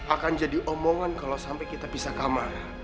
akan jadi omongan kalau sampai kita bisa kamar